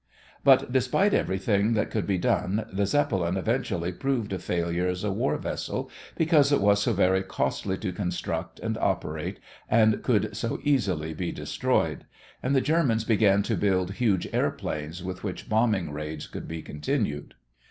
But despite everything that could be done, the Zeppelin eventually proved a failure as a war vessel because it was so very costly to construct and operate and could so easily be destroyed, and the Germans began to build huge airplanes with which bombing raids could be continued.